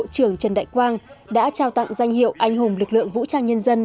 trưởng trần đại quang đã trao tặng danh hiệu anh hùng lực lượng vũ trang nhân dân